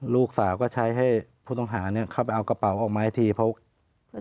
ลูกสาวก็ใช้ให้ผู้ต้องหาเนี้ยเข้าไปเอากระเป๋าออกมาให้ทีเพราะเอ่อ